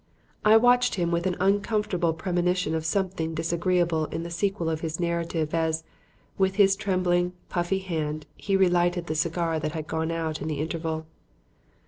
I watched him with an uncomfortable premonition of something disagreeable in the sequel of his narrative as, with his trembling, puffy hand, he re lighted the cigar that had gone out in the interval.